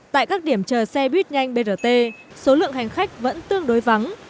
tại các điểm chờ xe buýt nhanh brt số lượng hành khách vẫn tương đối vắng